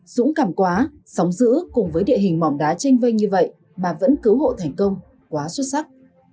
dũng cảm quá sóng giữ cùng với địa hình mỏm đá tranh vây như vậy mà vẫn cứu hộ thành công quá xuất sắc